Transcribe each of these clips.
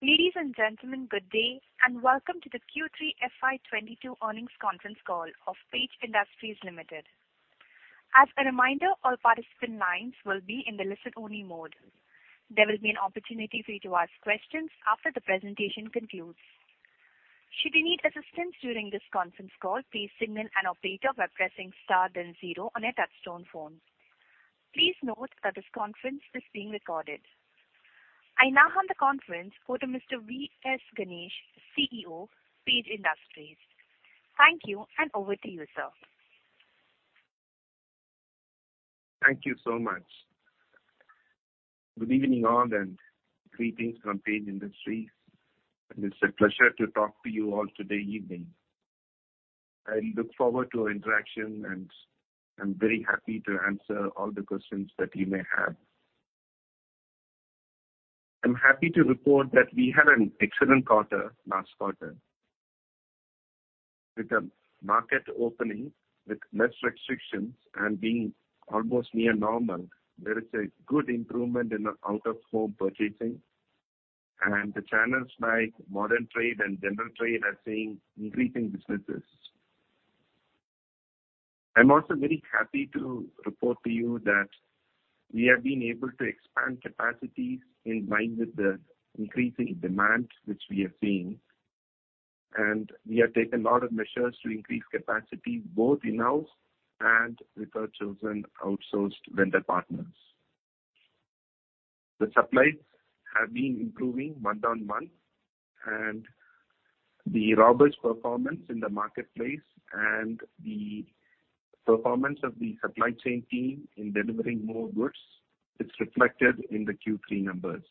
Ladies and gentlemen, good day, and welcome to the Q3 FY 2022 earnings conference call of Page Industries Limited. As a reminder, all participant lines will be in the listen-only mode. There will be an opportunity for you to ask questions after the presentation concludes. Should you need assistance during this conference call, please signal an operator by pressing star then zero on your touchtone phone. Please note that this conference is being recorded. I now hand the conference over to Mr. V.S. Ganesh, CEO, Page Industries. Thank you, and over to you, sir. Thank you so much. Good evening all and greetings from Page Industries, and it's a pleasure to talk to you all today evening. I look forward to our interaction, and I'm very happy to answer all the questions that you may have. I'm happy to report that we had an excellent quarter last quarter. With the market opening with less restrictions and being almost near normal, there is a good improvement in the out-of-home purchasing and the channels like modern trade and general trade are seeing increasing businesses. I'm also very happy to report to you that we have been able to expand capacities in-line with the increasing demand which we have seen, and we have taken a lot of measures to increase capacity both in-house and with our chosen outsourced vendor partners. The supplies have been improving month-on-month, and the robust performance in the marketplace and the performance of the supply chain team in delivering more goods is reflected in the Q3 numbers.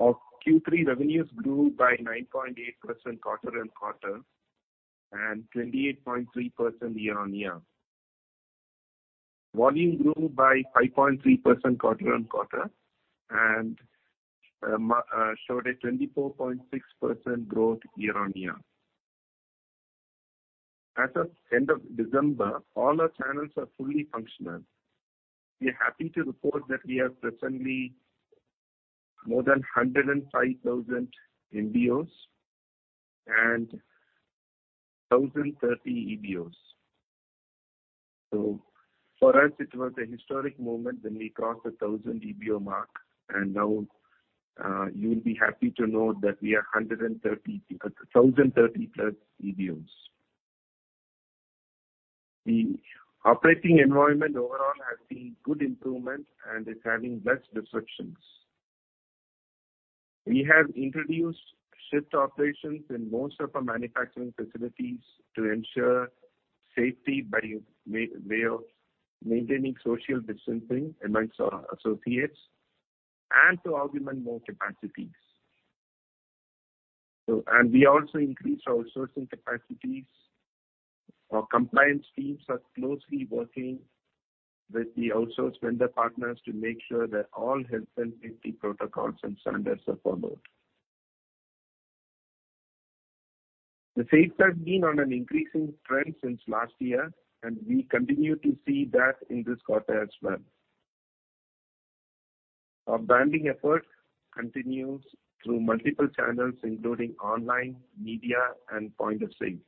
Our Q3 revenues grew by 9.8% quarter-on-quarter and 28.3% quarter-on-quarter. Volume grew by 5.3% quarter-on-quarter and showed a 24.6% growth quarter-on-quarter. As of end of December, all our channels are fully functional. We are happy to report that we have presently more than 105,000 MBOs and 1,030 EBOs. For us it was a historic moment when we crossed the 1,000 EBO mark, and now you'll be happy to know that we are 1,030+ EBOs. The operating environment overall has seen good improvement and is having less disruptions. We have introduced shift operations in most of our manufacturing facilities to ensure safety by way of maintaining social distancing amongst our associates and to augment more capacities. We also increased our sourcing capacities. Our compliance teams are closely working with the outsourced vendor partners to make sure that all health and safety protocols and standards are followed. The sales have been on an increasing trend since last year, and we continue to see that in this quarter as well. Our branding effort continues through multiple channels, including online, media, and point of sale.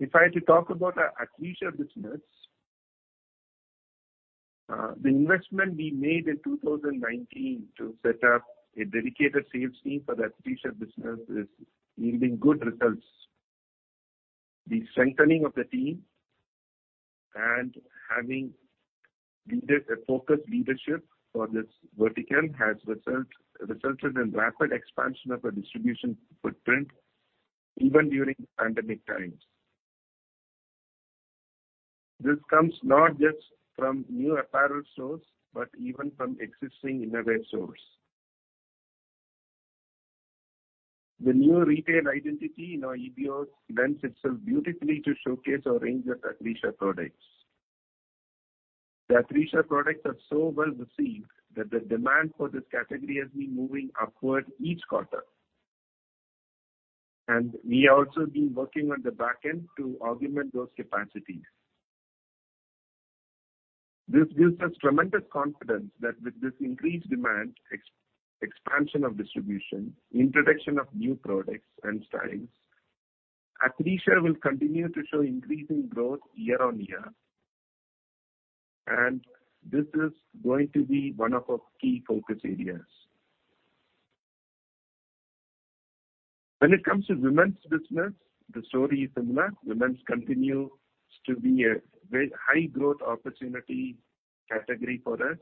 If I had to talk about our Athleisure business, the investment we made in 2019 to set up a dedicated sales team for the Athleisure business is yielding good results. The strengthening of the team and having a focused leadership for this vertical has resulted in rapid expansion of our distribution footprint even during pandemic times. This comes not just from new apparel stores, but even from existing EBO stores. The new retail identity in our EBOs lends itself beautifully to showcase a range of Athleisure products. The Athleisure products are so well received that the demand for this category has been moving upward each quarter. We also been working on the back end to augment those capacities. This gives us tremendous confidence that with this increased demand, expansion of distribution, introduction of new products and styles, Athleisure will continue to show increasing growth year on year, and this is going to be one of our key focus areas. When it comes to women's business, the story is similar. Women's continues to be a very high growth opportunity category for us.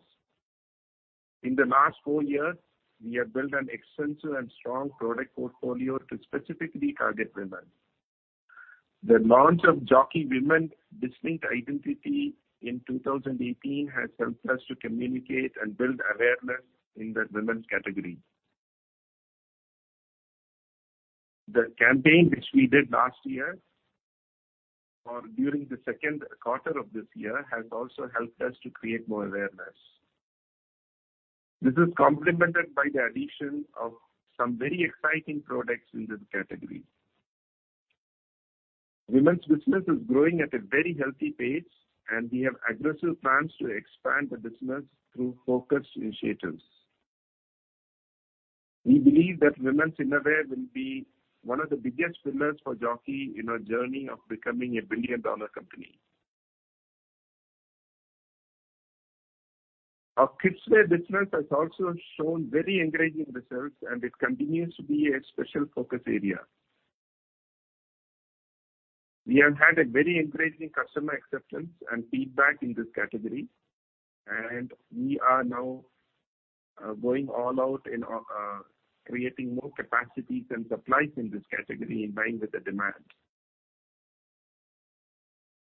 In the last four years, we have built an extensive and strong product portfolio to specifically target women. The launch of Jockey Woman distinct identity in 2018 has helped us to communicate and build awareness in the women's category. The campaign which we did last year or during the Q2 of this year has also helped us to create more awareness. This is complemented by the addition of some very exciting products in this category. Women's business is growing at a very healthy pace, and we have aggressive plans to expand the business through focused initiatives. We believe that women's innerwear will be one of the biggest pillars for Jockey in our journey of becoming a billion-dollar company. Our kids wear business has also shown very encouraging results, and it continues to be a special focus area. We have had a very encouraging customer acceptance and feedback in this category, and we are now going all out in creating more capacities and supplies in this category in line with the demand.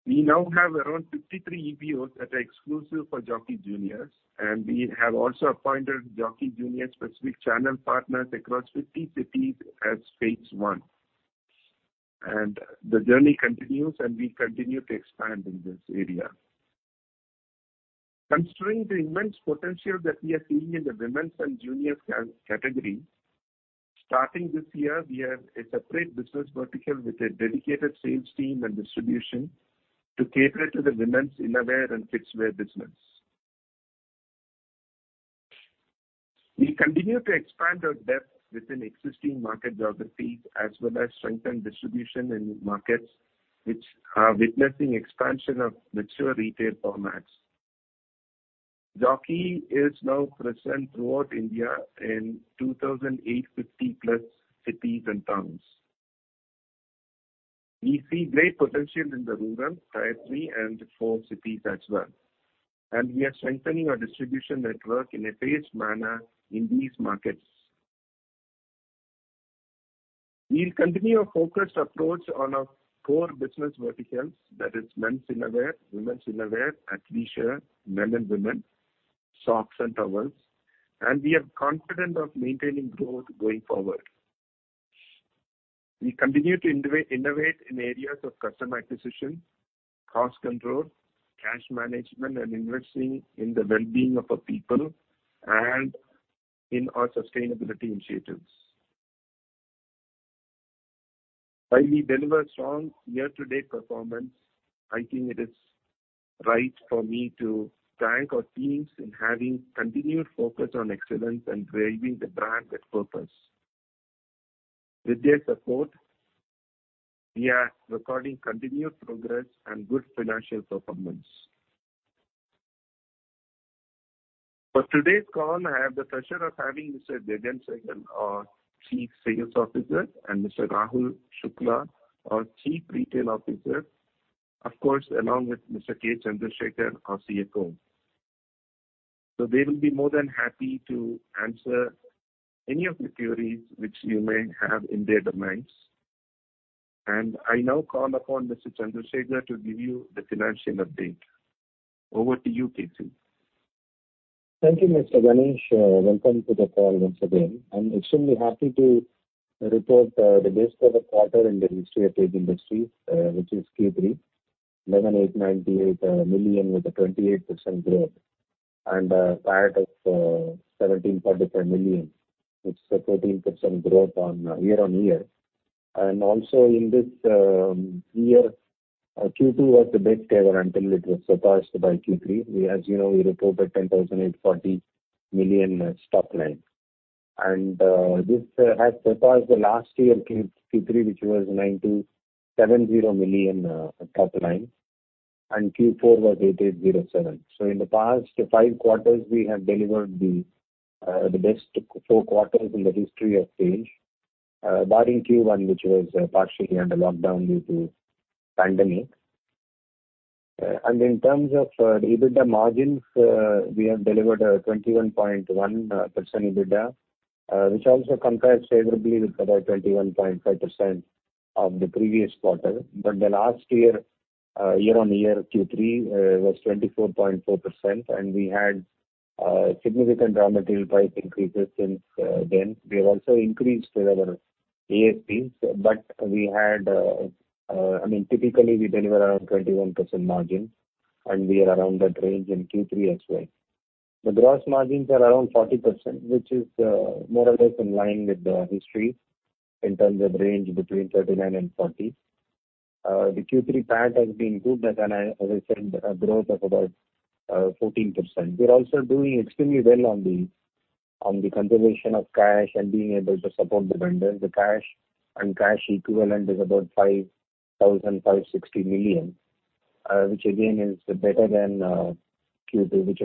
We now have around 53 EBOs that are exclusive for Jockey Juniors, and we have also appointed Jockey Junior specific channel partners across 50 cities as phase one. The journey continues, and we continue to expand in this area. Considering the immense potential that we are seeing in the women's and juniors category, starting this year, we have a separate business vertical with a dedicated sales team and distribution to cater to the women's innerwear and kids wear business. We continue to expand our depth within existing market geographies as well as strengthen distribution in markets which are witnessing expansion of mature retail formats. Jockey is now present throughout India in 2,850+ cities and towns. We see great potential in the rural category and for cities as well, and we are strengthening our distribution network in a phased manner in these markets. We'll continue our focused approach on our core business verticals, that is men's innerwear, women's innerwear, Athleisure, men and women, socks and towels, and we are confident of maintaining growth going forward. We continue to innovate in EBO in areas of customer acquisition, cost control, cash management, and investing in the well-being of our people and in our sustainability initiatives. While we deliver strong year-to-date performance, I think it is right for me to thank our teams in having continued focus on excellence and driving the brand with purpose. With their support, we are recording continued progress and good financial performance. For today's call, I have the pleasure of having Mr. Gagan Sehgal, our Chief Sales Officer, and Mr. Rahul Shukla, our Chief Retail Officer, of course, along with Mr. K. Chandrasekar, our CFO. So they will be more than happy to answer any of your queries which you may have in their domains. I now call upon Mr. Chandrasekar to give you the financial update. Over to you, KC. Thank you, Mr. Ganesh. Welcome to the call once again. I'm extremely happy to report the best ever quarter in the history of Page Industries, which is Q3, 11,898 million with a 28% growth and PAT of 1,745 million, which is a 14% growth quarter-on-quarter. In this year, Q2 was the best ever until it was surpassed by Q3. As you know, we reported 10,840 million top line. This has surpassed the last year Q3, which was 9,270 million top line, and Q4 was 8,807. In the past five quarters we have delivered the best four quarters in the history of Page Industries, barring Q1, which was partially under lockdown due to pandemic. in terms of EBITDA margins, we have delivered a 21.1% EBITDA, which also compares favorably with about 21.5% of the previous quarter. The last year quarter-on-quarter Q3 was 24.4%, and we had significant raw material price increases since then. We have also increased our ASPs, but we had... I mean, typically we deliver around 21% margins, and we are around that range in Q3 as well. The gross margins are around 40%, which is more or less in line with the history in terms of range between 39% and 40%. The Q3 PAT has been good at an, as I said, a growth of about 14%. We're also doing extremely well on the conservation of cash and being able to support the vendors. The cash and cash equivalent is about 5,560 million, which again is better than Q2, which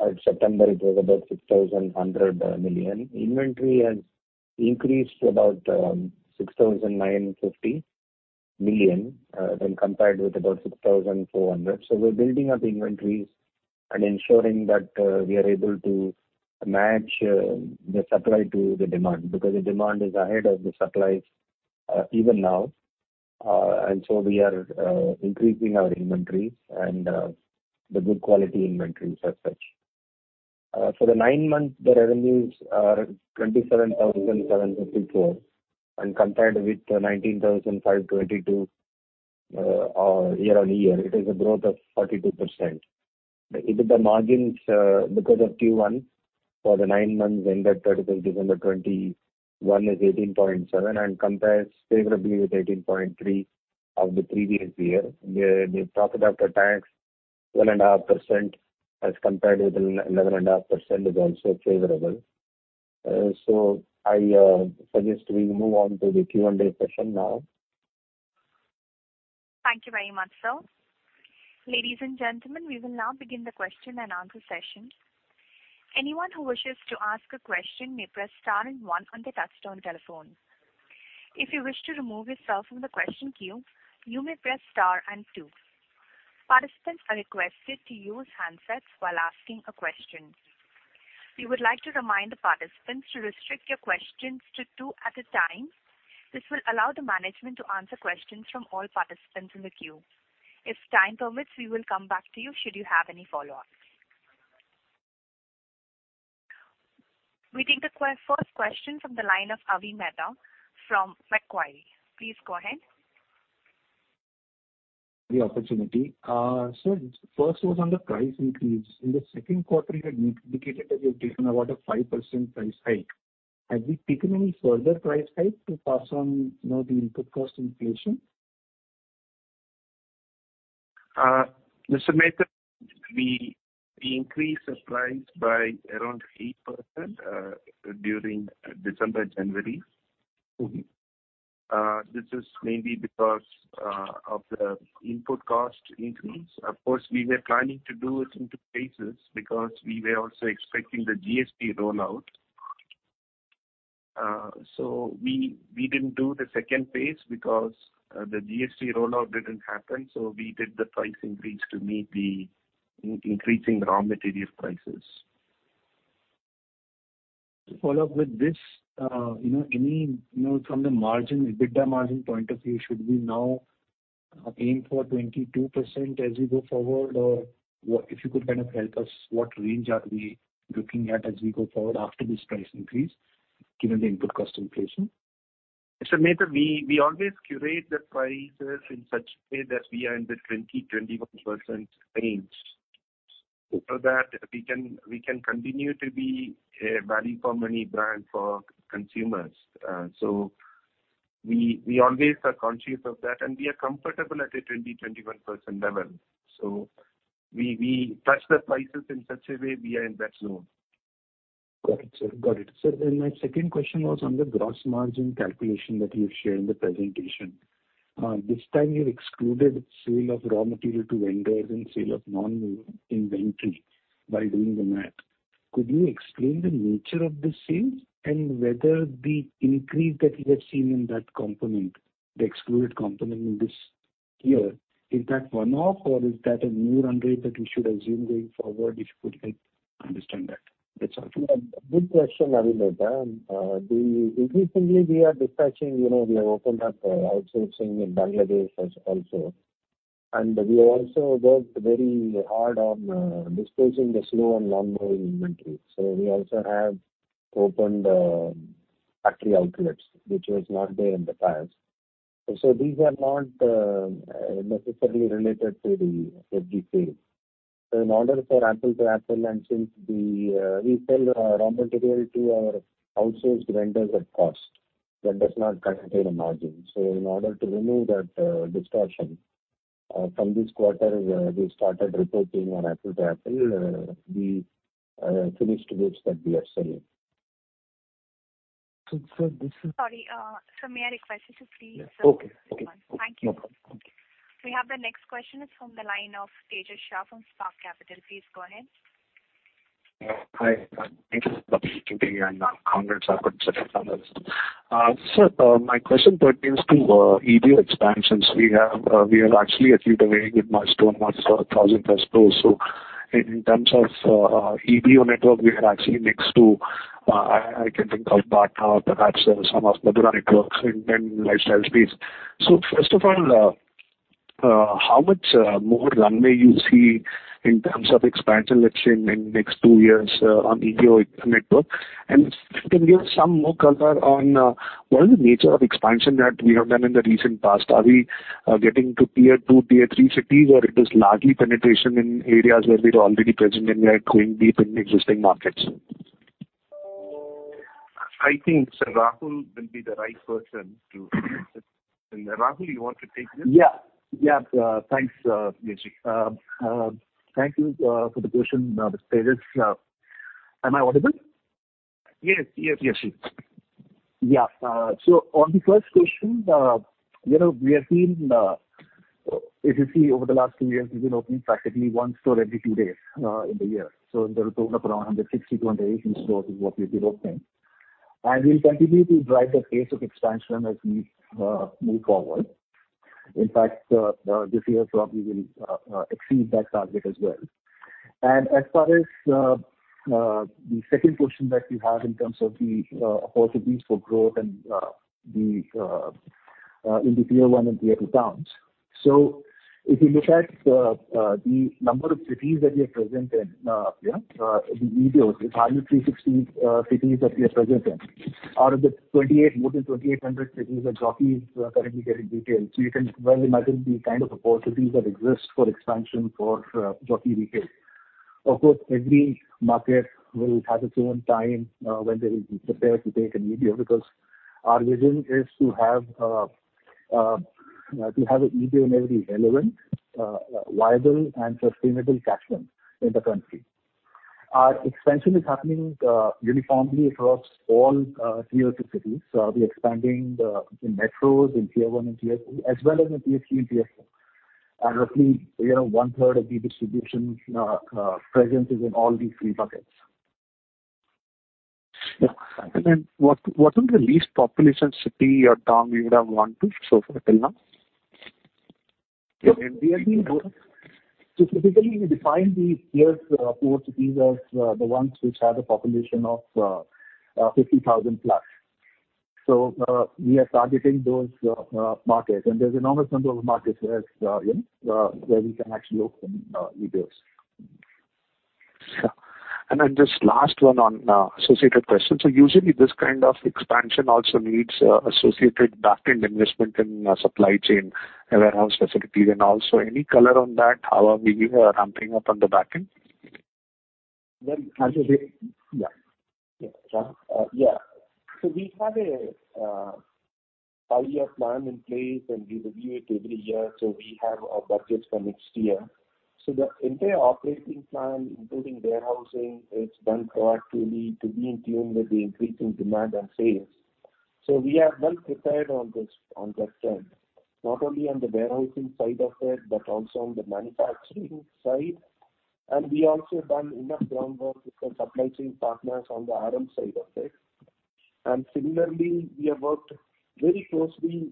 was about INR 5,300 million. The net working capital is about INR 5,935 million, which was at September about 6,100 million. Inventory has increased to about 6,950 million when compared with about 6,400 million. We're building up inventories and ensuring that we are able to match the supply to the demand, because the demand is ahead of the supplies even now. We are increasing our inventories and the good quality inventories as such. For the nine months, the revenues are 27,754 compared with 19,522. Or quarter-on-quarter, it is a growth of 42%. EBITDA margins because of Q1 for the nine months ended 31st December 2021 is 18.7% and compares favorably with 18.3% of the previous year. The profit after tax 1.5% as compared with 11.5% is also favorable. I suggest we move on to the Q&A session now. Thank you very much, sir. Ladies and gentlemen, we will now begin the question-and-answer session. Anyone who wishes to ask a question may press star and one on the touchtone telephone. If you wish to remove yourself from the question queue, you may press star and two. Participants are requested to use handsets while asking a question. We would like to remind the participants to restrict your questions to two at a time. This will allow the management to answer questions from all participants in the queue. If time permits, we will come back to you should you have any follow-ups. We take the first question from the line of Avi Mehta from Macquarie. Please go ahead. The opportunity. First was on the price increase. In the Q2, you had indicated that you've taken about a 5% price hike. Have you taken any further price hike to pass on, you know, the input cost inflation? Mr. Mehta, we increased the price by around 8% during December, January. Mm-hmm. This is mainly because of the input cost increase. Of course, we were planning to do it in two phases because we were also expecting the GST rollout. We didn't do the second phase because the GST rollout didn't happen, so we did the price increase to meet the increasing raw material prices. To follow up with this, from the margin, EBITDA margin point of view, should we now aim for 22% as we go forward? Or what? If you could kind of help us what range are we looking at as we go forward after this price increase given the input cost inflation? Mr. Mehta, we always curate the prices in such a way that we are in the 20%-21% range. For that we can continue to be a value for money brand for consumers. We always are conscious of that, and we are comfortable at a 20%-21% level. We touch the prices in such a way we are in that zone. Got it, sir. Sir, my second question was on the gross margin calculation that you've shared in the presentation. This time you've excluded sale of raw material to vendors and sale of non-moving inventory by doing the math. Could you explain the nature of the sales and whether the increase that we have seen in that component, the excluded component in this year, is that one-off or is that a new run rate that we should assume going forward? If you could help understand that. It's a good question, Avi Mehta. Increasingly we are dispatching, you know, we have opened up outsourcing in Bangladesh as also, and we also worked very hard on disposing the slow and non-moving inventory. We also have opened factory outlets, which was not there in the past. These are not necessarily related to the FG sales. In order for apples to apples, and since we we sell raw material to our outsourced vendors at cost, that does not contain a margin. In order to remove that distortion from this quarter, we started reporting on apples to apples the finished goods that we are selling. Sir, this is. Sorry, sir, may I request you to please. Yeah. Okay. Move on. Thank you. No problem. Okay. We have the next question is from the line of Tejash Shah from Spark Capital. Please go ahead. Yeah. Hi. Thank you for the opportunity, and congrats on good set of numbers. Sir, my question pertains to EBO expansions. We have actually achieved a very good milestone, 1,000-plus stores. In terms of EBO network, we are actually next to. I can think of Bata or perhaps some of the other networks in lifestyle space. First of all, how much more runway you see in terms of expansion, let's say in next two years, on EBO network? If you can give some more color on what is the nature of expansion that we have done in the recent past? Are we getting to Tier 2, Tier 3 cities, or it is largely penetration in areas where we are already present and we are going deep in existing markets? I think, sir, Rahul will be the right person to answer this. Rahul, you want to take this? Yeah. Thanks, Tejash. Thank you for the question, Tejash. Am I audible? Yes. Yeah. On the first question, you know, if you see over the last two years, we've been opening practically one store every two days in the year. In total of around 160-180 stores is what we've been opening. We'll continue to drive the pace of expansion as we move forward. In fact, this year probably we'll exceed that target as well. As far as the second question that you have in terms of the possibilities for growth and then in the tier one and tier two towns, if you look at the number of cities that we are present in, yeah, the MBOs, it's hardly 360 cities that we are present in. Out of the 28, more than 2,800 cities that Jockey is currently getting retail. You can well imagine the kind of opportunities that exist for expansion for Jockey retail. Of course, every market will have its own time when they will be prepared to take an MBO because our vision is to have an MBO in every relevant viable and sustainable catchment in the country. Our expansion is happening uniformly across all tier three cities. We are expanding in metros, in tier one and tier two, as well as in tier three and tier four. Roughly, you know, one third of the distribution presence is in all these three buckets. Yeah. What is the least population city or town you would have went to so far till now? Typically we define these tier four cities as the ones which have a population of 50,000 plus. We are targeting those markets, and there's enormous number of markets where you know where we can actually open MBOs. Sure. Then just last one on associated questions. Usually this kind of expansion also needs associated backend investment in supply chain, warehouse facilities and all. Any color on that? How are we ramping up on the backend? Well, as a Yeah. Yeah. We have a five-year plan in place, and we review it every year, so we have our budgets for next year. The entire operating plan, including warehousing, is done proactively to be in tune with the increasing demand and sales. We are well prepared on this, on that front, not only on the warehousing side of it, but also on the manufacturing side. We also done enough groundwork with the supply chain partners on the RM side of it. Similarly, we have worked very closely.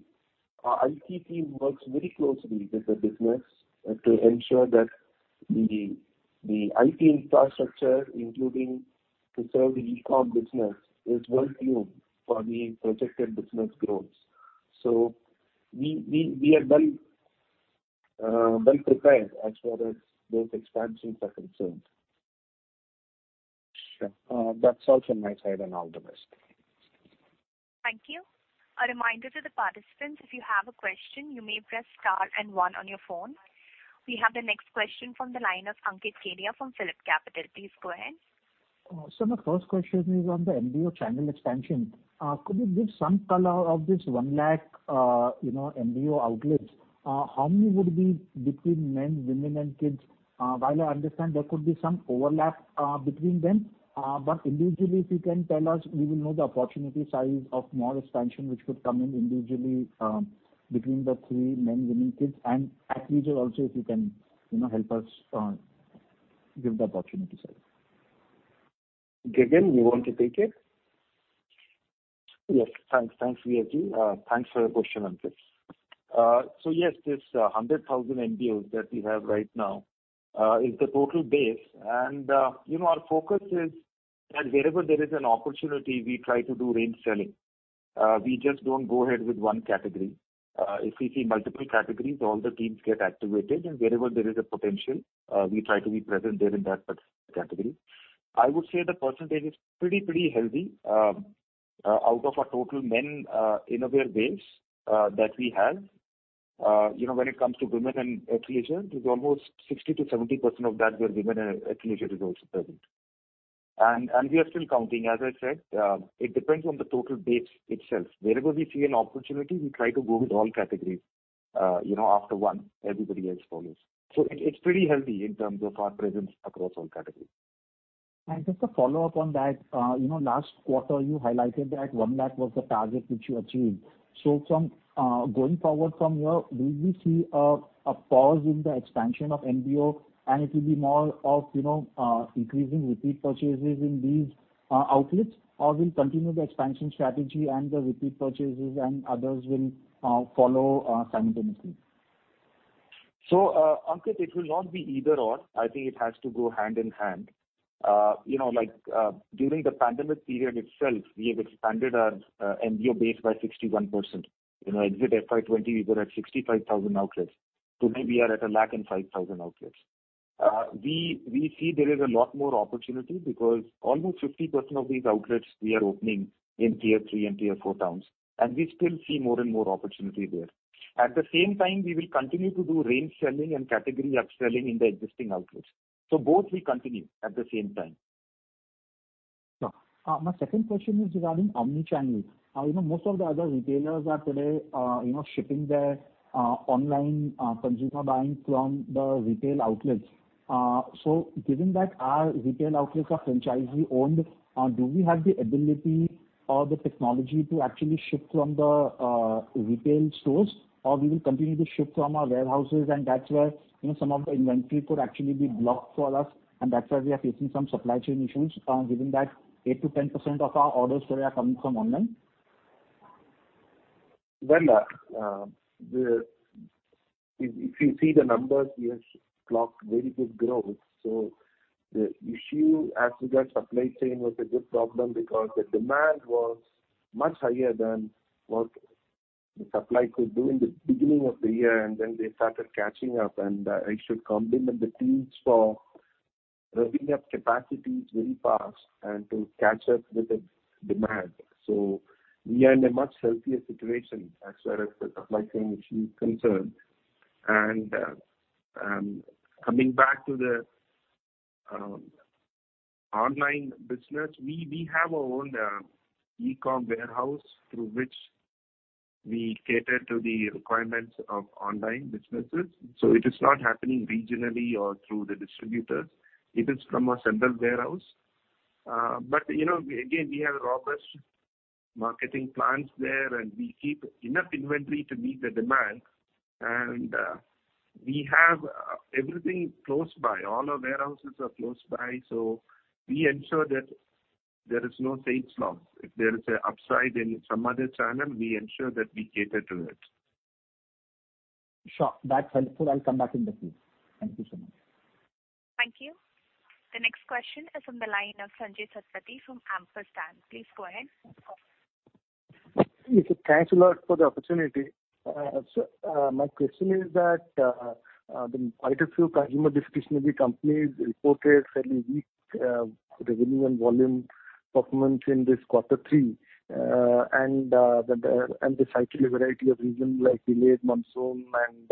Our IT team works very closely with the business to ensure that the IT infrastructure, including to serve the e-com business, is well tuned for the projected business growth. We are well prepared as far as those expansions are concerned. Sure. That's all from my side, and all the best. Thank you. A reminder to the participants, if you have a question, you may press star and one on your phone. We have the next question from the line of Ankit Kedia from PhillipCapital. Please go ahead. My first question is on the MBO channel expansion. Could you give some color of this 100,000, you know, MBO outlets? How many would be between men, women and kids? While I understand there could be some overlap between them, individually if you can tell us, we will know the opportunity size of more expansion which could come in individually between the three men, women, kids, and Athleisure also, if you can, you know, help us give the opportunity size. Gagan, you want to take it? Yes. Thanks. Thanks, VLG. Thanks for the question, Ankit. Yes, this 100,000 MBOs that we have right now is the total base. You know, our focus is that wherever there is an opportunity, we try to do range selling. We just don't go ahead with one category. If we see multiple categories, all the teams get activated and wherever there is a potential, we try to be present there in that particular category. I would say the percentage is pretty healthy. Out of our total men innerwear base that we have, you know, when it comes to women and Athleisure, it is almost 60%-70% of that where women and Athleisure is also present, and we are still counting. As I said, it depends on the total base itself. Wherever we see an opportunity, we try to go with all categories. You know, after one, everybody else follows. It's pretty healthy in terms of our presence across all categories. Just a follow-up on that. You know, last quarter you highlighted that 1 lakh was the target which you achieved. From going forward from here, will we see a pause in the expansion of MBO and it will be more of, you know, increasing repeat purchases in these outlets or we'll continue the expansion strategy and the repeat purchases and others will follow simultaneously? Ankit, it will not be either/or. I think it has to go hand in hand. You know, like, during the pandemic period itself, we have expanded our MBO base by 61%. You know, exit FY 2020, we were at 65,000 outlets. Today we are at 105,000 outlets. We see there is a lot more opportunity because almost 50% of these outlets we are opening in tier three and tier four towns, and we still see more and more opportunity there. At the same time, we will continue to do range selling and category upselling in the existing outlets. Both we continue at the same time. Sure. My second question is regarding omnichannel. You know, most of the other retailers are today, you know, shipping their online consumer buying from the retail outlets. So given that our retail outlets are franchisee owned, do we have the ability or the technology to actually ship from the retail stores, or we will continue to ship from our warehouses, and that's where, you know, some of the inventory could actually be blocked for us, and that's why we are facing some supply chain issues, given that 8%-10% of our orders today are coming from online? Well, if you see the numbers, we have clocked very good growth. So- The issue as regards supply chain was a good problem because the demand was much higher than what the supply could do in the beginning of the year, and then they started catching up. I should compliment the teams for revving up capacities very fast and to catch up with the demand. We are in a much healthier situation as far as the supply chain issue is concerned. Coming back to the online business, we have our own e-com warehouse through which we cater to the requirements of online businesses. It is not happening regionally or through the distributors. It is from a central warehouse. You know, again, we have robust marketing plans there, and we keep enough inventory to meet the demand. We have everything close by. All our warehouses are close by, so we ensure that there is no sales loss. If there is an upside in some other channel, we ensure that we cater to it. Sure. That's helpful. I'll come back in the queue. Thank you so much. Thank you. The next question is from the line of Sanjaya Satapathy from Ampersand. Please go ahead. Yes. Thanks a lot for the opportunity. My question is that quite a few consumer discretionary companies reported fairly weak revenue and volume performance in this quarter three. They cite a variety of reasons like delayed monsoon and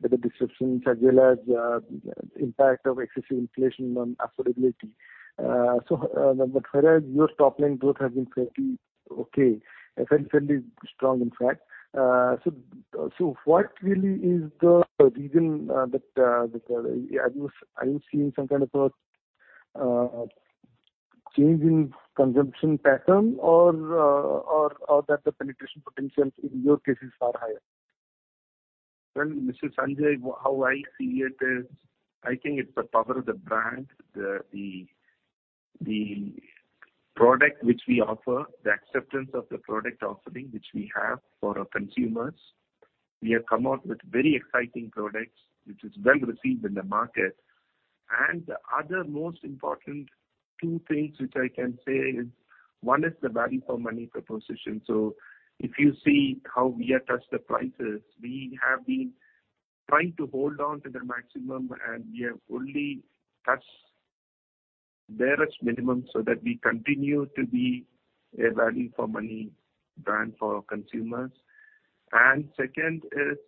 weather disruptions as well as impact of excessive inflation on affordability. Whereas your top line growth has been fairly okay, fairly strong in fact. What really is the reason that are you seeing some kind of a change in consumption pattern or that the penetration potential in your case is far higher? Well, Mr. Sanjay, how I see it is, I think it's the power of the brand. The product which we offer, the acceptance of the product offering which we have for our consumers. We have come out with very exciting products which is well received in the market. The other most important two things which I can say is, one is the value for money proposition. If you see how we attach the prices, we have been trying to hold on to the maximum, and we have only touched barest minimum so that we continue to be a value for money brand for our consumers. Second is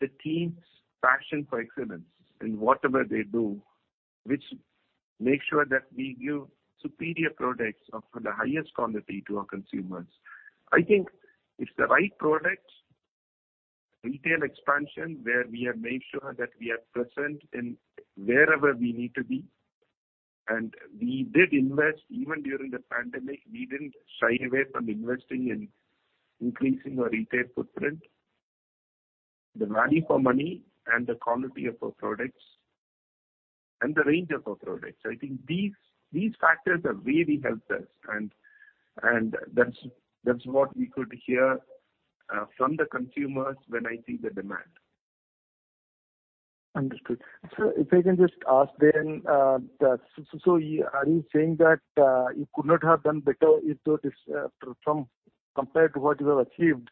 the team's passion for excellence in whatever they do, which makes sure that we give superior products of the highest quality to our consumers. I think it's the right product, retail expansion, where we have made sure that we are present in wherever we need to be. We did invest even during the pandemic. We didn't shy away from investing in increasing our retail footprint. The value for money and the quality of our products and the range of our products, I think these factors have really helped us and that's what we could hear from the consumers when I see the demand. Understood. If I can just ask then, are you saying that you could not have done better compared to what you have achieved,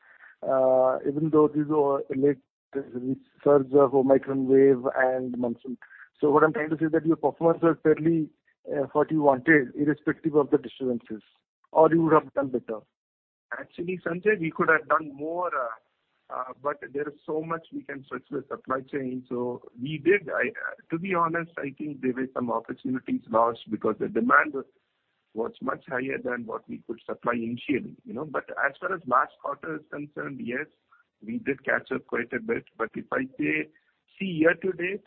even though these were late surge of Omicron wave and monsoon? What I'm trying to say that your performance was fairly what you wanted irrespective of the disturbances or you would have done better? Actually, Sanjay, we could have done more, but there is so much we can switch with supply chain. We did. I, to be honest, I think there were some opportunities lost because the demand was much higher than what we could supply initially, you know? As far as last quarter is concerned, yes, we did catch up quite a bit. If I say, see, year to date,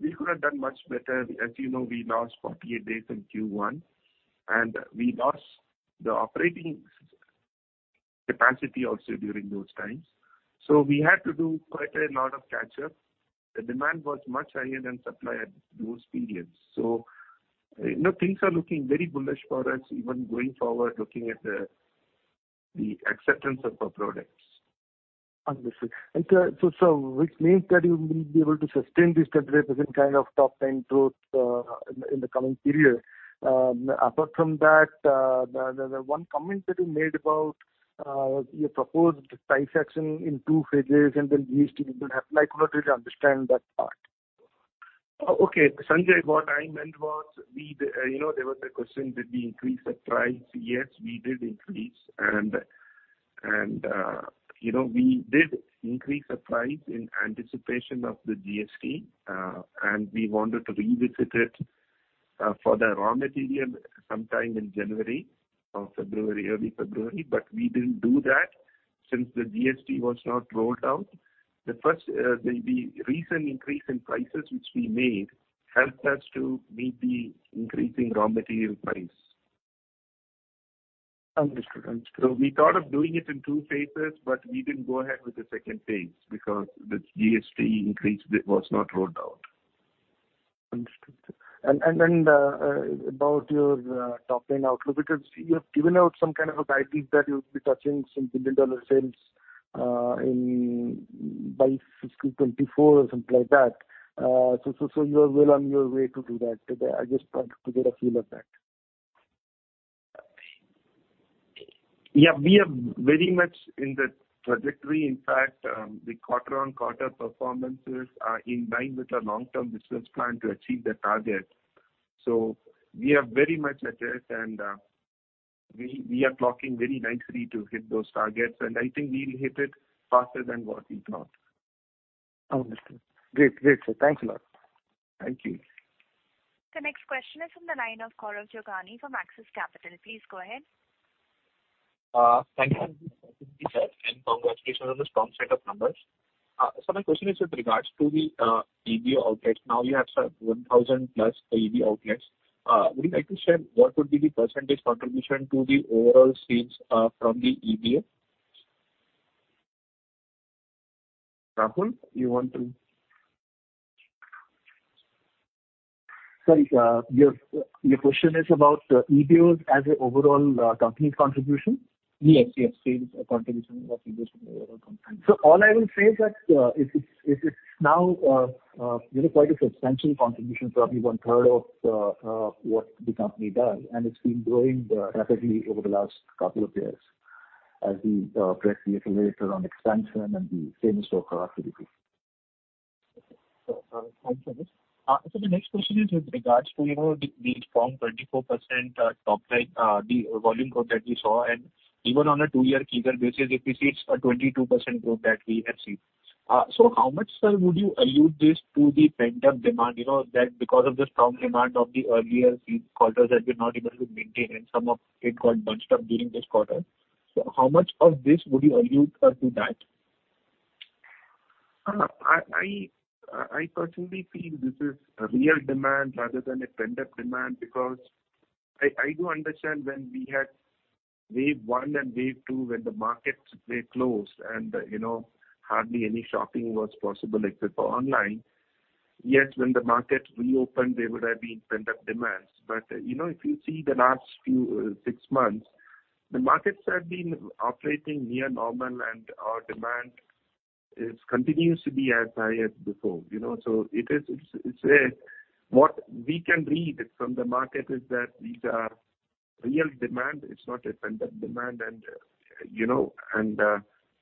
we could have done much better. As you know, we lost 48 days in Q1, and we lost the operating capacity also during those times. We had to do quite a lot of catch up. The demand was much higher than supply at those periods. You know, things are looking very bullish for us even going forward, looking at the acceptance of our products. Understood. Which means that you will be able to sustain this kind of top line growth in the coming period. Apart from that, the one comment that you made about your proposed price action in two phases and then GST, we would have liked to understand that part. Okay. Sanjay, what I meant was you know, there was a question, did we increase the price? Yes, we did increase. You know, we did increase the price in anticipation of the GST, and we wanted to revisit it for the raw material sometime in January or February, early February, but we didn't do that since the GST was not rolled out. The recent increase in prices which we made helped us to meet the increasing raw material price. Understood. We thought of doing it in two phases, but we didn't go ahead with the second phase because the GST increase bit was not rolled out. Understood. About your top line outlook, because you have given out some kind of a guidance that you'll be touching some billion-dollar sales. In by FY 2024 or something like that. You are well on your way to do that today. I just wanted to get a feel of that. Yeah, we are very much in that trajectory. In fact, the quarter-on-quarter performances are in line with our long-term business plan to achieve the target. We are very much at it, and we are clocking very nicely to hit those targets, and I think we'll hit it faster than what we thought. Understood. Great. Great, sir. Thanks a lot. Thank you. The next question is from the line of Gaurav Jogani from Axis Capital. Please go ahead. Thank you and congratulations on the strong set of numbers. My question is with regards to the EBO outlets. Now you have sort of 1,000+ EBO outlets. Would you like to share what would be the percentage contribution to the overall sales from the EBO? Rahul, sorry, your question is about EBOs as an overall company contribution? Yes, yes. Sales contribution of EBOs All I will say is that it's now, you know, quite a substantial contribution, probably one third of what the company does. It's been growing rapidly over the last couple of years as we press the accelerator on expansion and the same store growth activity. Thanks for this. The next question is with regards to, you know, the strong 24% top line, the volume growth that we saw, and even on a two-year CAGR basis, it exceeds a 22% growth that we have seen. How much, sir, would you attribute this to the pent-up demand, you know, that because of the strong demand of the earlier quarters that we're not able to maintain and some of it got bunched up during this quarter. How much of this would you attribute to that? I personally feel this is a real demand rather than a pent-up demand because I do understand when we had wave one and wave two, when the markets were closed and, you know, hardly any shopping was possible except for online, yes, when the markets reopened, there would have been pent-up demands. If you see the last few six months, the markets have been operating near normal, and our demand continues to be as high as before, you know. It is what we can read from the market is that these are real demand. It is not a pent-up demand and, you know,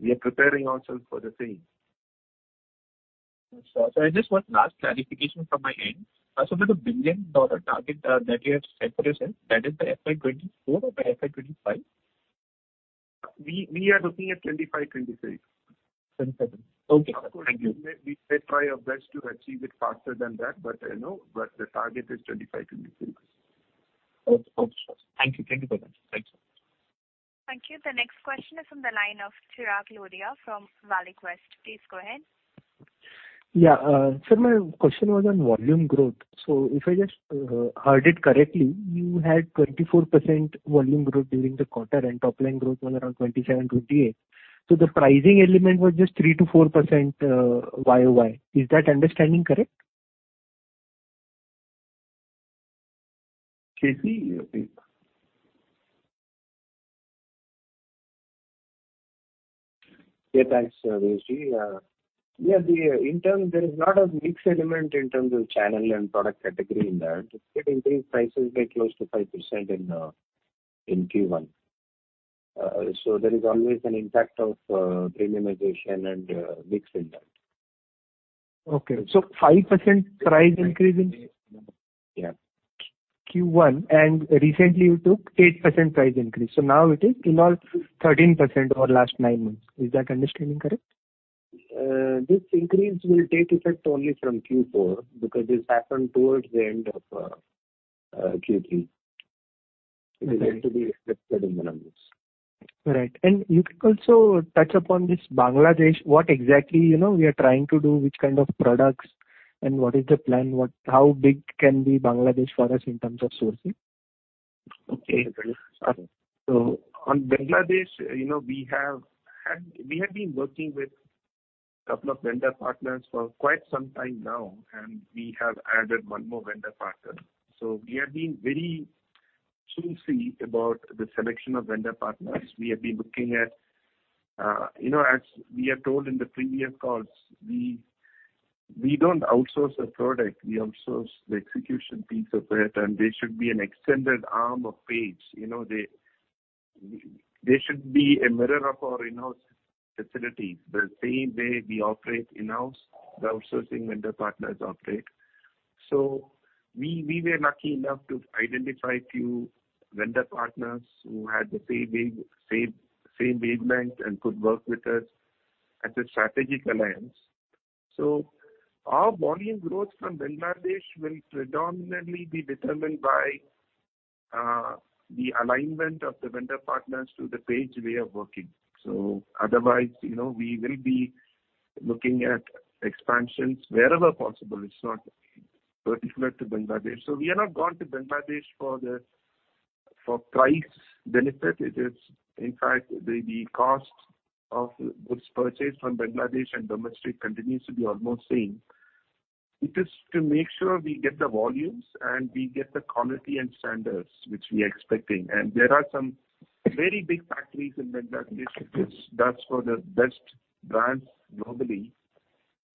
we are preparing ourselves for the same. Sure. I just want last clarification from my end. With the billion-dollar target that you have set for yourself, that is the FY 2024 or the FY 2025? We are looking at 25, 26. 26. Okay. Thank you. Of course, we may try our best to achieve it faster than that, but you know, the target is 25, 26. Okay. Okay, sure. Thank you. Thank you for that. Thanks. Thank you. The next question is from the line of Chirag Lodaya from ValueQuest. Please go ahead. Yeah. Sir, my question was on volume growth. If I just heard it correctly, you had 24% volume growth during the quarter, and top line growth was around 27-28. The pricing element was just 3%-4%, Y-o-Y. Is that understanding correct? K.C., your take. Yeah, thanks, Chirag. In terms, there is not a mix element in terms of channel and product category in that. It's getting increased prices by close to 5% in Q1. There is always an impact of premiumization and mix in that. Okay. 5% price increase. Yeah. Q1, recently you took 8% price increase, so now it is in all 13% over last nine months. Is that understanding correct? This increase will take effect only from Q4 because this happened towards the end of Q3. It's yet to be reflected in the numbers. Right. You could also touch upon this Bangladesh, what exactly, you know, we are trying to do, which kind of products and what is the plan? How big can be Bangladesh for us in terms of sourcing? Okay. On Bangladesh, you know, we have been working with couple of vendor partners for quite some time now, and we have added one more vendor partner. We have been very choosy about the selection of vendor partners. We have been looking at, you know, as we have told in the previous calls, we don't outsource a product, we outsource the execution piece of it, and they should be an extended arm of Page. You know, they should be a mirror of our in-house facilities. The same way we operate in-house, the outsourcing vendor partners operate. We were lucky enough to identify few vendor partners who had the same wavelength and could work with us at a strategic alliance. Our volume growth from Bangladesh will predominantly be determined by the alignment of the vendor partners to the Page way of working. Otherwise, you know, we will be looking at expansions wherever possible. It's not particular to Bangladesh. We are not gone to Bangladesh for price benefit. It is, in fact, the cost of goods purchased from Bangladesh and domestic continues to be almost same. It is to make sure we get the volumes and we get the quality and standards which we expecting. There are some very big factories in Bangladesh which does for the best brands globally,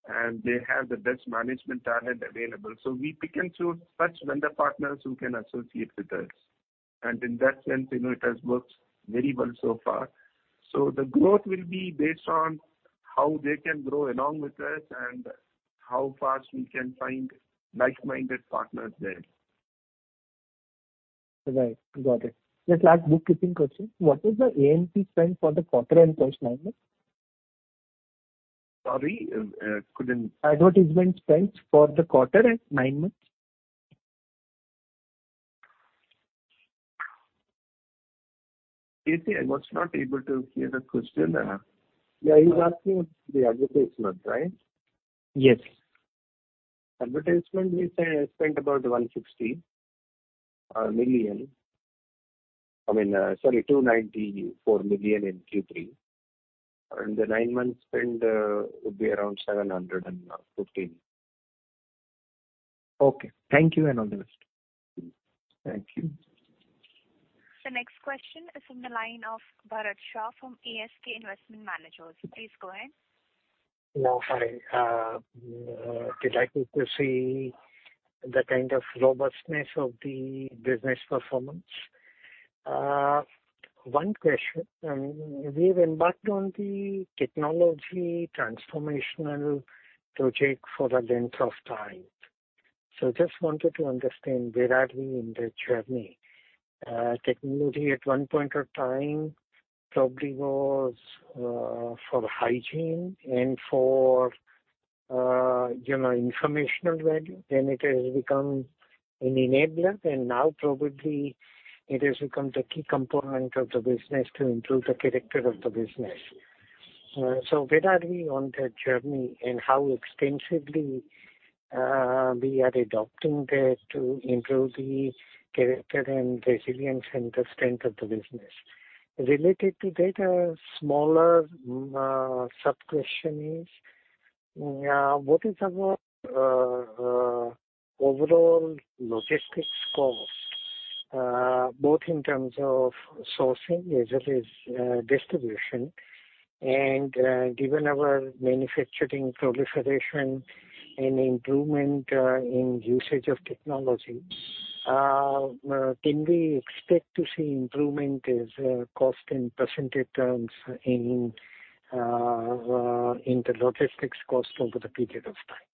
and they have the best management talent available. We pick and choose such vendor partners who can associate with us. In that sense, you know, it has worked very well so far. The growth will be based on how they can grow along with us and how fast we can find like-minded partners there. Right. Got it. Just last bookkeeping question. What is the A&P spend for the quarter and first nine months? Sorry. Advertisement spend for the quarter and nine months. KC, I was not able to hear the question. Yeah, he's asking the advertisements, right? Yes. A&P, we say, spent about 160 million. I mean, sorry, 294 million in Q3. The nine-month spend would be around 715 million. Okay. Thank you, and all the best. Thank you. The next question is from the line of Bharat Shah from ASK Investment Managers. Please go ahead. No, sorry. We'd like you to see the kind of robustness of the business performance. One question. We've embarked on the technology transformational project for the length of time. Just wanted to understand where are we in the journey. Technology at one point of time probably was for hygiene and for, you know, informational value, then it has become an enabler, and now probably it has become the key component of the business to improve the character of the business. Where are we on that journey, and how extensively we are adopting that to improve the character and resilience and the strength of the business? Related to that, a smaller sub-question is what is our overall logistics cost both in terms of sourcing as well as distribution. Given our manufacturing proliferation and improvement in usage of technology, can we expect to see improvement in cost in percentage terms in the logistics cost over the period of time?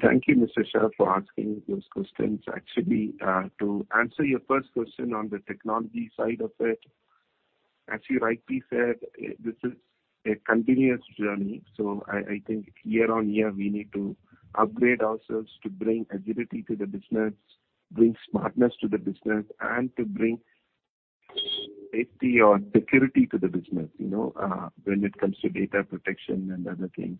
Thank you, Mr. Shah, for asking those questions. Actually, to answer your first question on the technology side of it, as you rightly said, this is a continuous journey. I think year on year, we need to upgrade ourselves to bring agility to the business, bring smartness to the business, and to bring safety or security to the business, you know, when it comes to data protection and other things.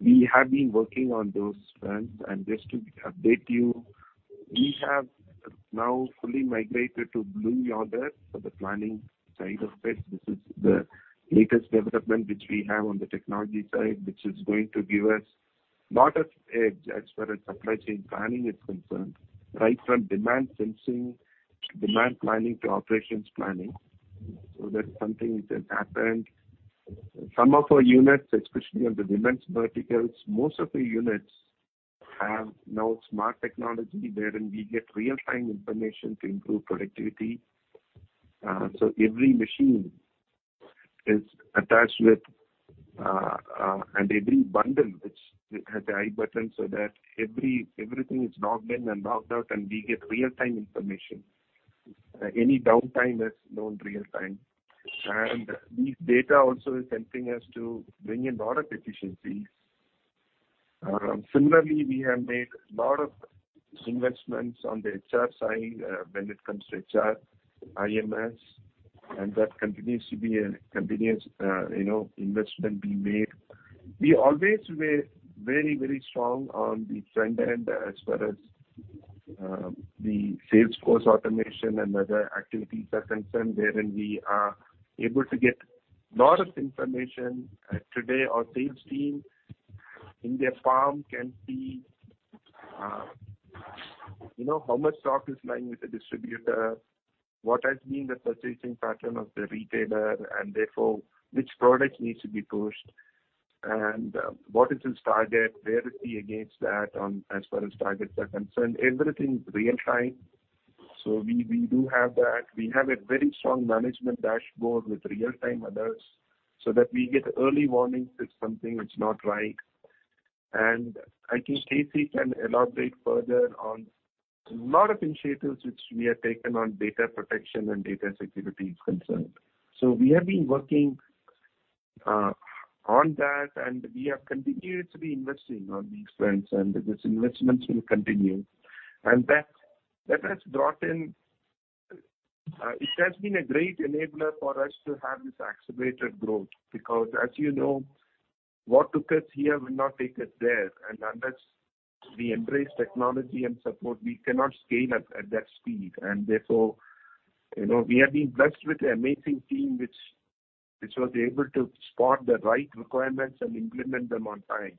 We have been working on those fronts. Just to update you, we have now fully migrated to Blue Yonder for the planning side of it. This is the latest development which we have on the technology side, which is going to give us lot of edge as far as supply chain planning is concerned, right from demand sensing, demand planning to operations planning. That's something which has happened. Some of our units, especially on the women's verticals, most of the units have now smart technology wherein we get real-time information to improve productivity. So every machine is attached with, and every bundle which has the iButton so that everything is logged in and logged out, and we get real-time information. Any downtime is known real-time. This data also is helping us to bring in lot of efficiencies. Similarly, we have made lot of investments on the HR side, when it comes to HRMS, and that continues to be a continuous, you know, investment being made. We always were very, very strong on the front end as far as, the sales force automation and other activities are concerned, wherein we are able to get lot of information. Today our sales team in their palm can see, you know, how much stock is lying with the distributor, what has been the purchasing pattern of the retailer, and therefore which product needs to be pushed. What is his target, where is he against that on as far as targets are concerned. Everything real time. We do have that. We have a very strong management dashboard with real-time alerts, so that we get early warning if something is not right. I think KC can elaborate further on a lot of initiatives which we have taken on data protection and data security is concerned. We have been working on that, and we have continued to be investing on these fronts, and these investments will continue. That has brought in. It has been a great enabler for us to have this accelerated growth, because as you know, what took us here will not take us there. Unless we embrace technology and support, we cannot scale at that speed. You know, we have been blessed with an amazing team which was able to spot the right requirements and implement them on time.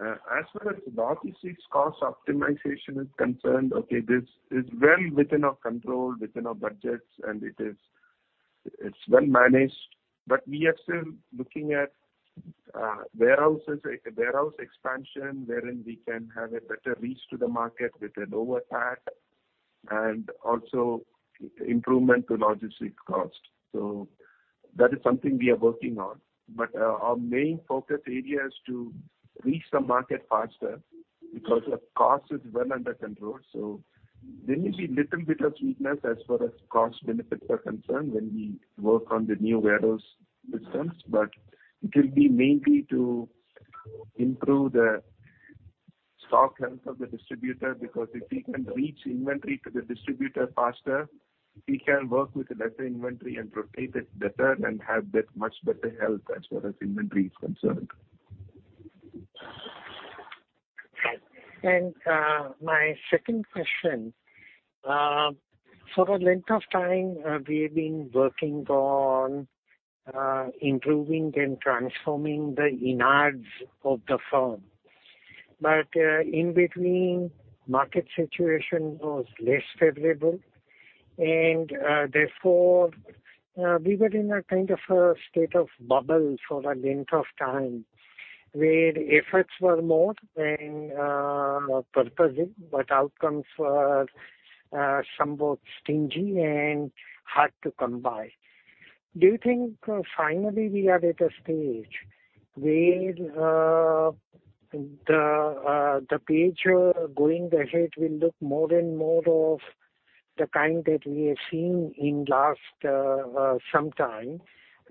As far as the logistics cost optimization is concerned, this is well within our control, within our budgets, and it is well managed. We are still looking at warehouses, a warehouse expansion wherein we can have a better reach to the market with a lower cost, and also improvement to logistics cost. That is something we are working on. Our main focus area is to reach the market faster because the cost is well under control. There may be little bit of weakness as far as cost benefits are concerned when we work on the new warehouse systems. It will be mainly to improve the stock health of the distributor because if we can reach inventory to the distributor faster, he can work with a better inventory and rotate it better and have that much better health as far as inventory is concerned. My second question. For a length of time, we have been working on improving and transforming the innerwear of the firm. In between, market situation was less favorable. Therefore, we were in a kind of a state of trouble for a length of time, where efforts were more than purposive, but outcomes were somewhat stingy and hard to come by. Do you think finally we are at a stage where the Page going ahead will look more and more of the kind that we have seen in last some time,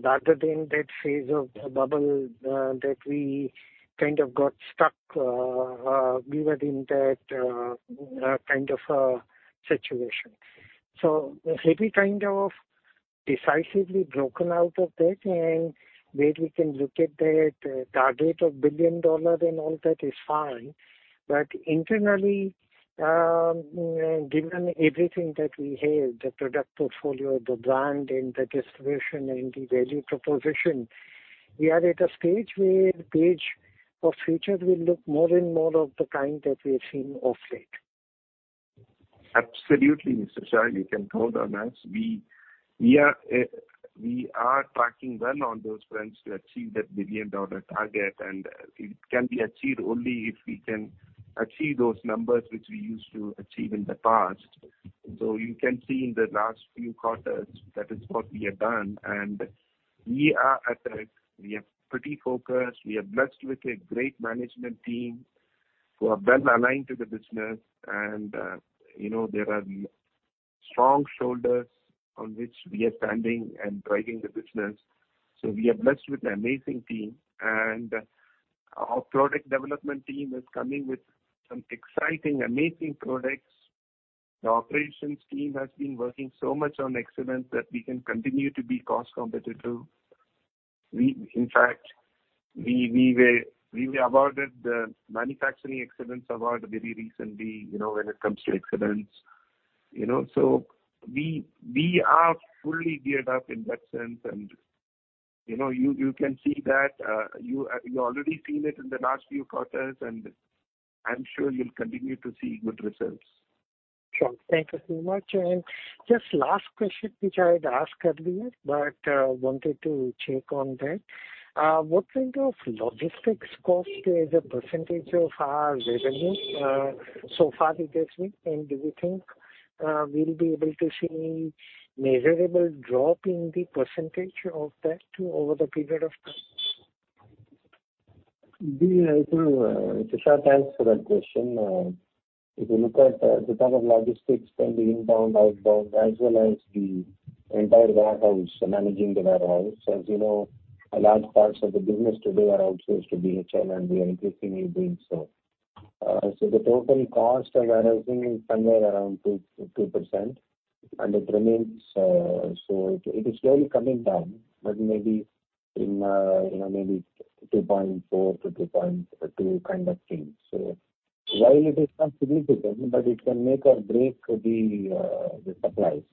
rather than that phase of trouble we were in that kind of a situation. Have we kind of decisively broken out of that? Where we can look at that target of billion-dollar and all that is fine. Internally, given everything that we have, the product portfolio, the brand and the distribution and the value proposition, we are at a stage where Page of future will look more and more of the kind that we have seen of late. Absolutely, Mr. Shah. You can count on us. We are tracking well on those fronts to achieve that billion-dollar target, and it can be achieved only if we can achieve those numbers which we used to achieve in the past. You can see in the last few quarters that is what we have done. We are pretty focused. We are blessed with a great management team who are well aligned to the business. You know, there are strong shoulders on which we are standing and driving the business. We are blessed with an amazing team, and our product development team is coming with some exciting, amazing products. The operations team has been working so much on excellence that we can continue to be cost competitive. In fact, we were awarded the Manufacturing Excellence Award very recently, you know, when it comes to excellence, you know. We are fully geared up in that sense. You know, you can see that. You already seen it in the last few quarters, and I'm sure you'll continue to see good results. Sure. Thank you so much. Just last question, which I had asked earlier, but wanted to check on that. What kind of logistics cost as a percentage of our revenue, so far it has been? Do you think we'll be able to see measurable drop in the percentage of that too over the period of time? I think, Bharat, thanks for that question. If you look at the kind of logistics and the inbound, outbound, as well as the entire warehouse, managing the warehouse. As you know, a large parts of the business today are outsourced to DHL, and we are increasingly doing so. The total cost of warehousing is somewhere around 2%, and it remains. It is slowly coming down, but maybe, you know, maybe 2.4%-2.2% kind of thing. While it is not significant, but it can make or break the supplies.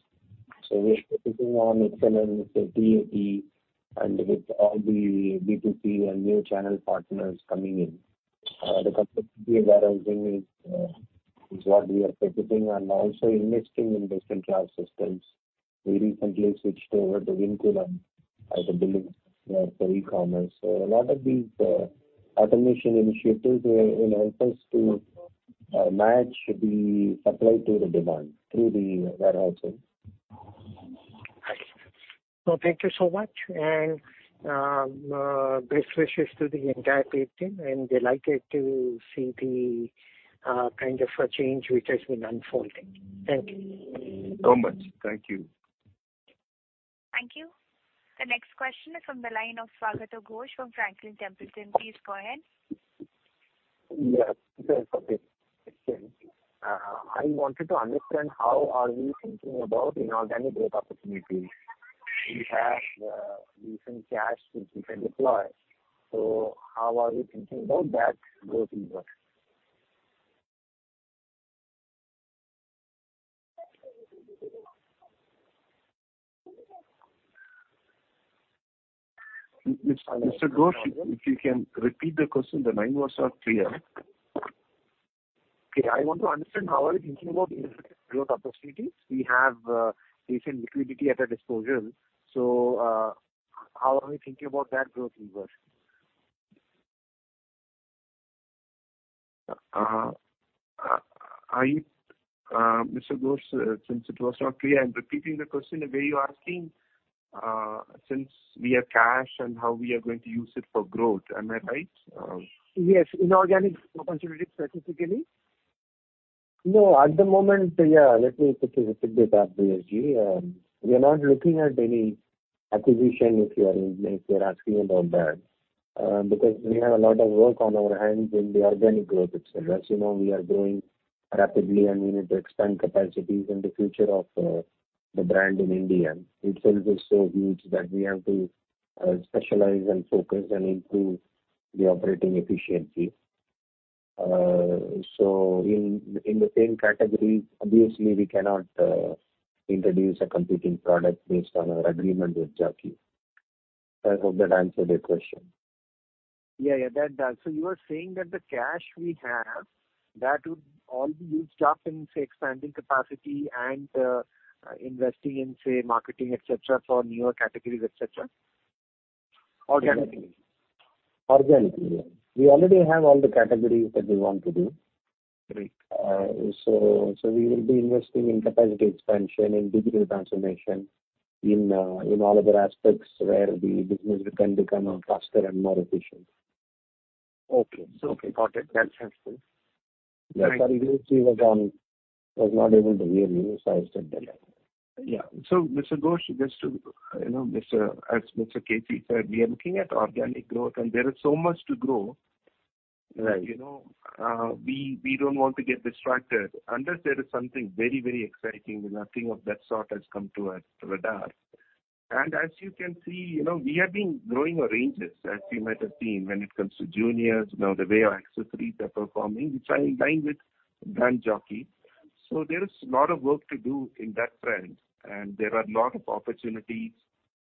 We are focusing on excellence at DHL and with all the B2C and new channel partners coming in. The capacity of warehousing is what we are focusing and also investing in best-in-class systems. We recently switched over to Vinculum as a billing for e-commerce. A lot of these automation initiatives will, you know, help us to match the supply to the demand through the warehousing. Right. Thank you so much. Best wishes to the entire team, and delighted to see the kind of a change which has been unfolding. Thank you. So much. Thank you. Thank you. The next question is from the line of Swagato Ghosh from Franklin Templeton. Please go ahead. Yes. Yes. Okay. I wanted to understand how are we thinking about inorganic growth opportunities? We have recent cash which we can deploy. How are you thinking about that growth inversion? Mr. Ghosh, if you can repeat the question, the line was not clear. Okay. I want to understand how are you thinking about inorganic growth opportunities. We have recent liquidity at our disposal, so how are we thinking about that growth inversion? Are you, Mr. Ghosh, since it was not clear, I'm repeating the question. Are you asking, since we have cash and how we are going to use it for growth? Am I right? Yes. Inorganic opportunities specifically. No, at the moment, yeah, let me put it that way, VSG. We are not looking at any acquisition, if you're asking about that. Because we have a lot of work on our hands in the organic growth itself. As you know, we are growing rapidly, and we need to expand capacities in the future of the brand in India itself is so huge that we have to specialize and focus and improve the operating efficiency. So in the same category, obviously we cannot introduce a competing product based on our agreement with Jockey. I hope that answered your question. Yeah, yeah, that does. You are saying that the cash we have, that would all be used up in, say, expanding capacity and, investing in, say, marketing, et cetera, for newer categories, et cetera? Organically. Organically, yeah. We already have all the categories that we want to do. Great. We will be investing in capacity expansion, in digital transformation, in all other aspects where the business can become faster and more efficient. Okay. Okay, got it. That's helpful. Sorry, VSG was not able to hear you, so I stepped in. Yeah. Mr. Ghosh, just to, you know, As Mr. KC said, we are looking at organic growth, and there is so much to grow. Right. You know, we don't want to get distracted. Unless there is something very, very exciting, nothing of that sort has come to our radar. As you can see, you know, we have been growing our ranges, as you might have seen when it comes to juniors. Now, the way our accessories are performing, which are in line with brand Jockey. There is a lot of work to do in that front. There are a lot of opportunities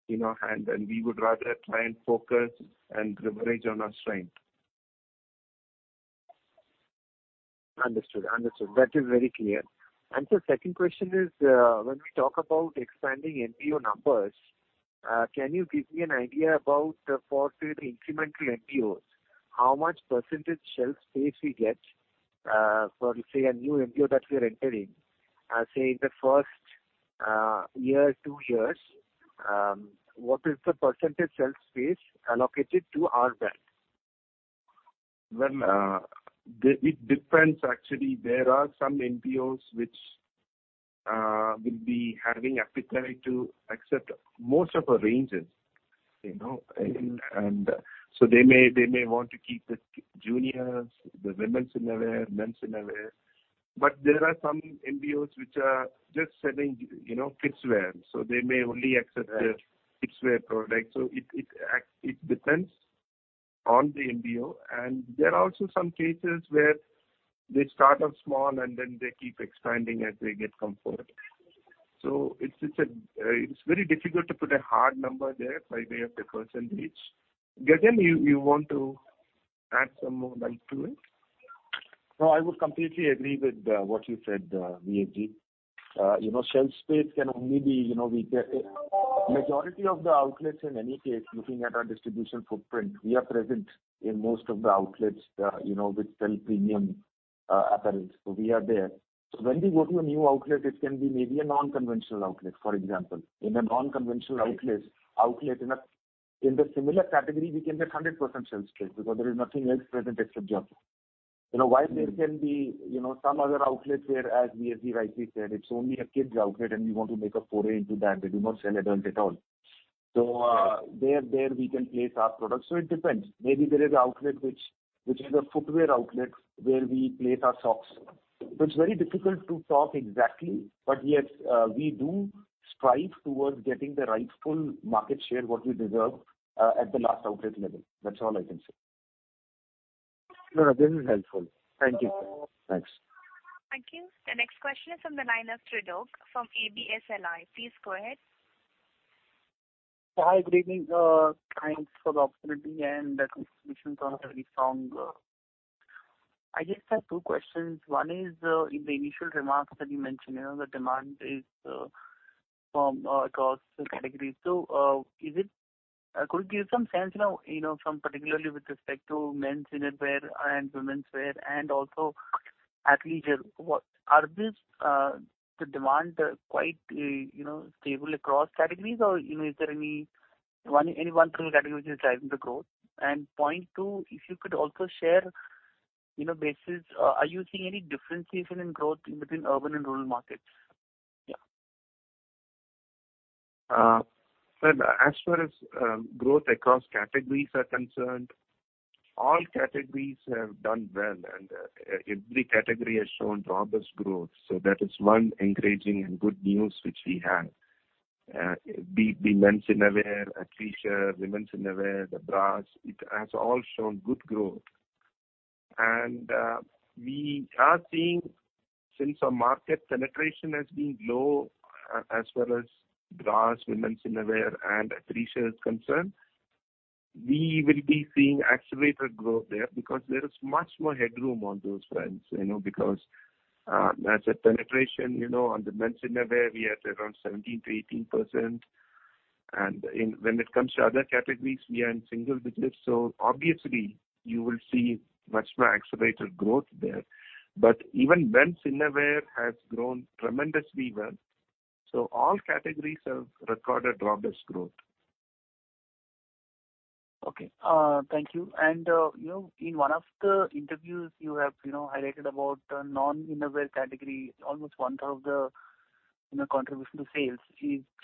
in our hand, and we would rather try and focus and leverage on our strength. Understood. That is very clear. Second question is, when we talk about expanding MBO numbers, can you give me an idea about the forecasted incremental MBOs? How much percentage shelf space we get, for, say, a new MBO that we are entering? Say in the first year, two years, what is the percentage shelf space allocated to our brand? Well, it depends actually. There are some MBOs which will be having appetite to accept most of our ranges, you know. They may want to keep the juniors, the women's innerwear, men's innerwear. There are some MBOs which are just selling, you know, kids wear. They may only accept the kids wear product. It depends on the MBO. There are also some cases where they start off small, and then they keep expanding as they get comfort. It's very difficult to put a hard number there by way of the percentage. Gagan, you want to add some more light to it? No, I would completely agree with what you said, V.S.G. You know, shelf space can only be, you know, we get majority of the outlets in any case, looking at our distribution footprint, we are present in most of the outlets, you know, which sell premium apparel. So we are there. So when we go to a new outlet, it can be maybe a non-conventional outlet, for example. In a non-conventional outlet in the similar category, we can get 100% shelf space because there is nothing else present except Jockey. You know, while there can be, you know, some other outlets where, as V.S.G. rightly said, it's only a kids outlet and we want to make a foray into that. They do not sell adult at all. So there we can place our products. So it depends. Maybe there is an outlet which is a footwear outlet where we place our socks. It's very difficult to talk exactly, but yes, we do strive towards getting the rightful market share, what we deserve, at the last outlet level. That's all I can say. No, no. This is helpful. Thank you. Thanks. Thank you. The next question is from the line of Mridul from ABSLI. Please go ahead. Hi, good evening. Thanks for the opportunity and the presentations are very strong. I just have two questions. One is, in the initial remarks that you mentioned, you know, the demand is from across the categories. Could you give some sense, you know, from particularly with respect to men's innerwear and women's wear and also Athleisure, what are these, the demand quite, you know, stable across categories or, you know, is there any one single category which is driving the growth? And point two, if you could also share, you know, basis, are you seeing any differentiation in growth between urban and rural markets? Well, as far as growth across categories are concerned, all categories have done well and every category has shown robust growth. That is one encouraging and good news which we have. Men's innerwear, Athleisure, Women's innerwear, the bras, it has all shown good growth. We are seeing since our market penetration has been low as well as bras, Women's innerwear, and Athleisure is concerned, we will be seeing accelerated growth there because there is much more headroom on those fronts, you know, because as far as penetration, you know, on the men's innerwear we are around 17%-18%. When it comes to other categories, we are in single digits. Obviously you will see much more accelerated growth there. Even men's innerwear has grown tremendously well. All categories have recorded robust growth. Okay. Thank you. You know, in one of the interviews you have, you know, highlighted about non-innerwear category, almost 1/3 of the, you know, contribution to sales.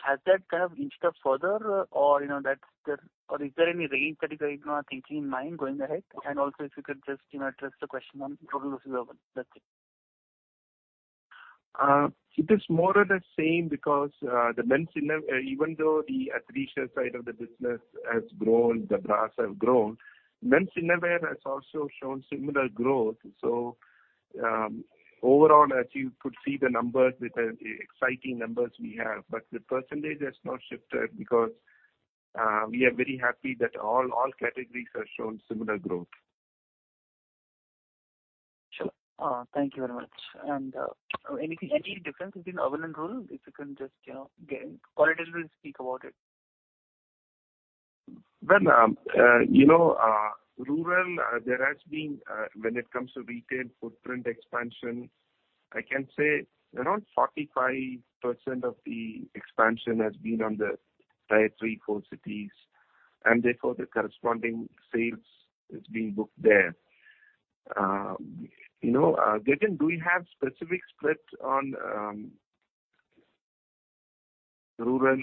Has that kind of inched up further or, you know, that's the. Or is there any range that you guys, you know, are thinking in mind going ahead? Also if you could just, you know, address the question on rural versus urban. That's it. It is more or less the same because the men's innerwear. Even though the Athleisure side of the business has grown, the bras have grown, men's innerwear has also shown similar growth. Overall, as you could see the numbers, the exciting numbers we have. The percentage has not shifted because we are very happy that all categories have shown similar growth. Sure. Thank you very much. Any difference between urban and rural, if you can just, you know, again, qualitatively speak about it? Well, you know, there has been, when it comes to retail footprint expansion, I can say around 45% of the expansion has been on the tier three-four cities, and therefore the corresponding sales is being booked there. You know, Gagan, do we have specific splits on rural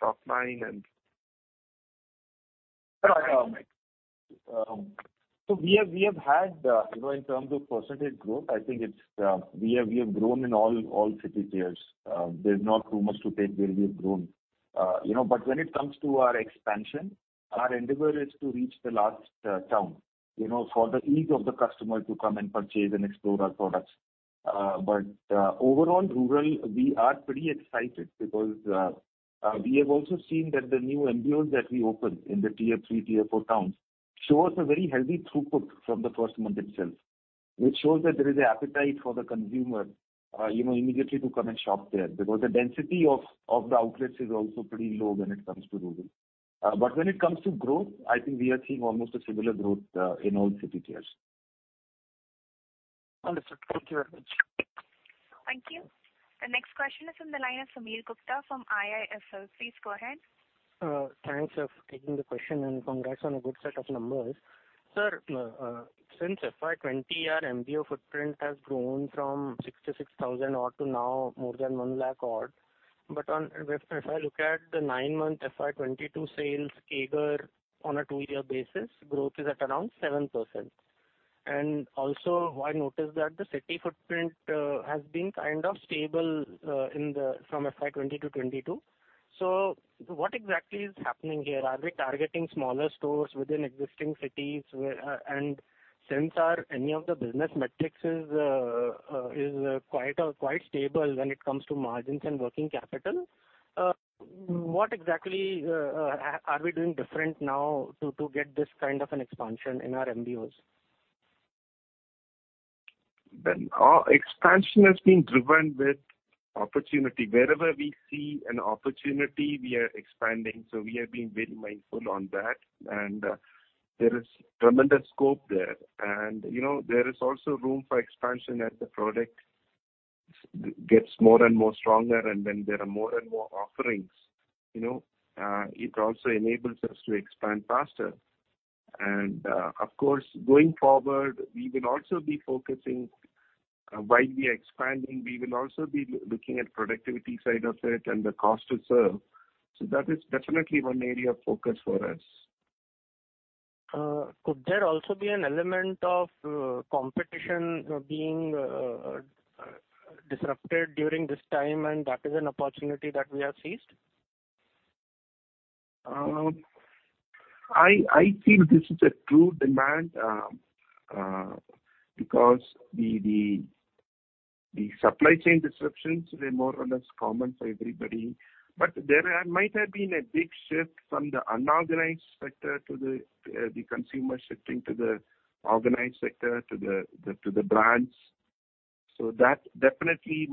top line and- We have had you know in terms of percentage growth. I think it's we have grown in all city tiers. There's not too much to talk where we have grown. You know but when it comes to our expansion, our endeavor is to reach the last town you know for the ease of the customer to come and purchase and explore our products. But overall rural we are pretty excited because we have also seen that the new MBOs that we opened in the tier 3, tier 4 towns show us a very healthy throughput from the first month itself, which shows that there is an appetite for the consumer you know immediately to come and shop there. Because the density of the outlets is also pretty low when it comes to rural. When it comes to growth, I think we are seeing almost a similar growth in all city tiers. Understood. Thank you very much. Thank you. The next question is from the line of Sameer Gupta from IIFL. Please go ahead. Thanks for taking the question, and congrats on a good set of numbers. Sir, since FY 2020 our MBO footprint has grown from 66,000 odd to now more than 1 lakh odd. If I look at the nine-month FY 2022 sales CAGR on a two-year basis, growth is at around 7%. Also I noticed that the city footprint has been kind of stable from FY 2020 to 2022. What exactly is happening here? Are we targeting smaller stores within existing cities? Since any of the business metrics is quite stable when it comes to margins and working capital, what exactly are we doing different now to get this kind of an expansion in our MBOs? Well, our expansion has been driven with opportunity. Wherever we see an opportunity, we are expanding. We are being very mindful on that. There is tremendous scope there. You know, there is also room for expansion as the product gets more and more stronger and when there are more and more offerings, you know. It also enables us to expand faster. Of course, going forward we will also be focusing. While we are expanding, we will also be looking at productivity side of it and the cost to serve. That is definitely one area of focus for us. Could there also be an element of competition being disrupted during this time and that is an opportunity that we have seized? I feel this is a true demand because the supply chain disruptions, they're more or less common for everybody. There might have been a big shift from the unorganized sector to the consumer shifting to the organized sector, to the brands. That definitely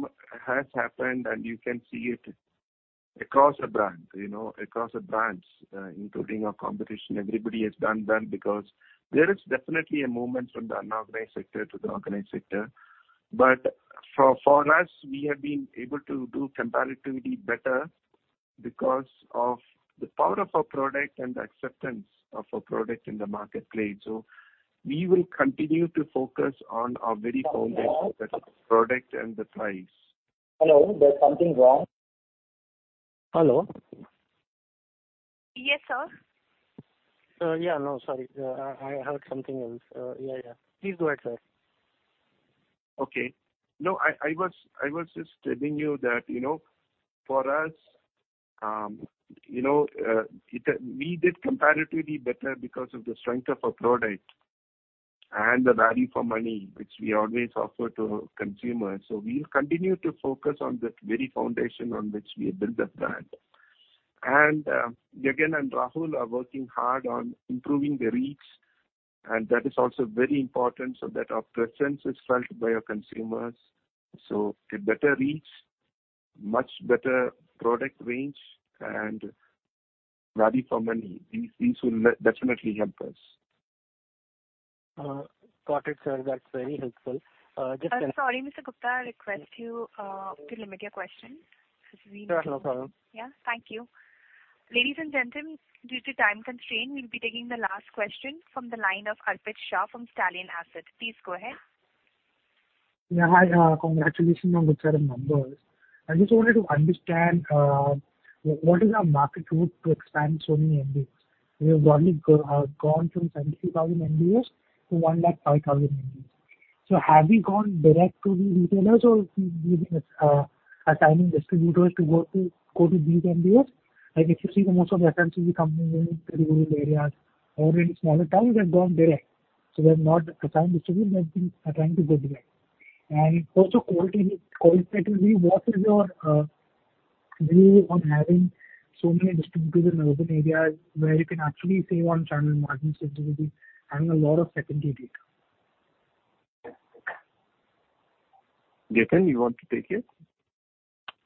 has happened, and you can see it across the brand, you know, across the brands, including our competition. Everybody has done that because there is definitely a movement from the unorganized sector to the organized sector. For us, we have been able to do comparatively better because of the power of our product and the acceptance of our product in the marketplace. We will continue to focus on our very foundation, the product and the price. Hello, there's something wrong. Hello. Yes, sir. Yeah, no, sorry. I have something else. Yeah, yeah. Please go ahead, sir. Okay. No, I was just telling you that, you know, for us, we did comparatively better because of the strength of our product and the value for money which we always offer to consumers. We'll continue to focus on that very foundation on which we built the brand. Gagan and Rahul are working hard on improving the reach, and that is also very important so that our presence is felt by our consumers. A better reach, much better product range and value for money. These will definitely help us. Got it, sir. That's very helpful. Sorry, Mr. Gupta, I request you to limit your question 'cause we- Sure, no problem. Yeah. Thank you. Ladies and gentlemen, due to time constraint, we'll be taking the last question from the line of Harpreet Shah from Stallion Asset. Please go ahead. Yeah, hi, congratulations on good set of numbers. I just wanted to understand, what is our market route to expand so many MBOs? We have broadly gone from 72,000 MBOs to 105,000 MBOs. Have you gone direct to the retailers or you've been assigning distributors to go to these MBOs? If you see the most of the attempts will be coming in rural areas or in smaller towns, they've gone direct. They've not assigned distributors, they've been attempting to go direct. Also quality controls, what is your view on having so many distributors in urban areas where you can actually save on channel margin sensitivity, having a lot of second-tier distributors? Gagan, you want to take it?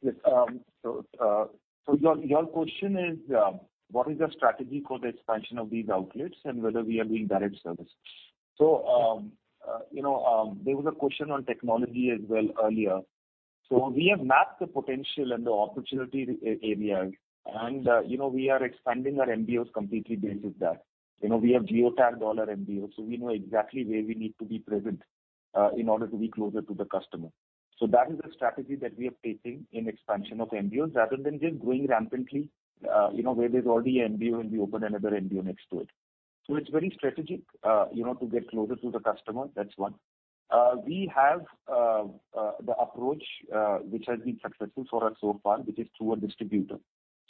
Yes. Your question is what is the strategy for the expansion of these outlets and whether we are doing direct service. You know, there was a question on technology as well earlier. We have mapped the potential and the opportunity areas and, you know, we are expanding our MBOs completely based on that. You know, we have geotagged all our MBOs, so we know exactly where we need to be present in order to be closer to the customer. That is the strategy that we are taking in expansion of MBOs rather than just growing rampantly, you know, where there's already an MBO and we open another MBO next to it. It's very strategic, you know, to get closer to the customer, that's one. We have the approach which has been successful for us so far, which is through a distributor.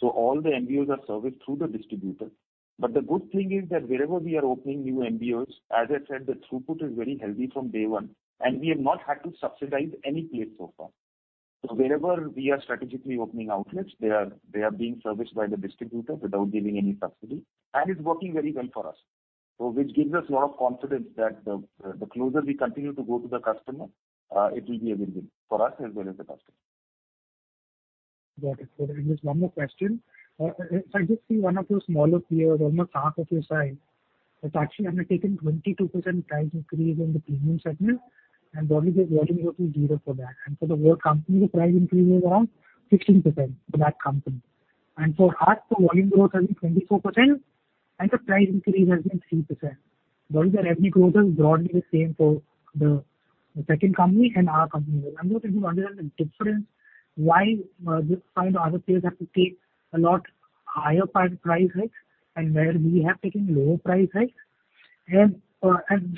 All the MBOs are serviced through the distributor. The good thing is that wherever we are opening new MBOs, as I said, the throughput is very healthy from day one, and we have not had to subsidize any outlet so far. Wherever we are strategically opening outlets, they are being serviced by the distributor without giving any subsidy, and it's working very well for us. Which gives us a lot of confidence that the closer we continue to go to the customer, it will be a win-win for us as well as the customer. Got it. There is one more question. If I just see one of those smaller peers on the top of your side, it's actually undertaken 22% price increase in the premium segment and broadly their volume growth is 0% for that. For the whole company, the price increase is around 16% for that company. For us, the volume growth has been 24% and the price increase has been 3%. While the revenue growth is broadly the same for the second company and our company. I'm looking to understand the difference why this kind of other peers have to take a lot higher price hikes and where we have taken lower price hikes and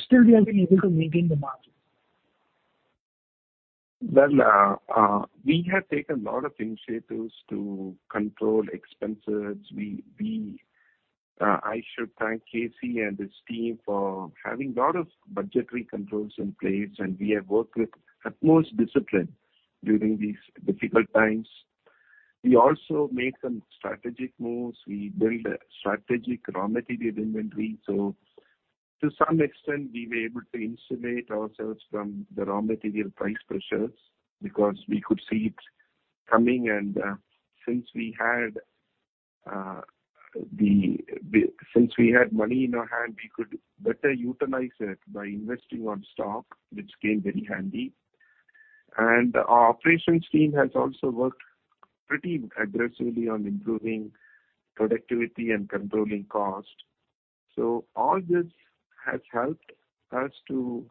still we have been able to maintain the margin. Well, we have taken a lot of initiatives to control expenses. I should thank KC and his team for having a lot of budgetary controls in place, and we have worked with utmost discipline during these difficult times. We also made some strategic moves. We built a strategic raw material inventory. To some extent, we were able to insulate ourselves from the raw material price pressures because we could see it coming and since we had money in our hand, we could better utilize it by investing on stock, which came very handy. Our operations team has also worked pretty aggressively on improving productivity and controlling cost. All this has helped us to